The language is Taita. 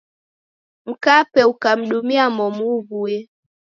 Mkape ukamdumia momu uw'uye.